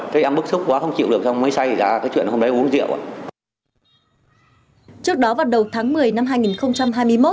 trước đó vào đầu tháng một mươi năm hai nghìn hai mươi một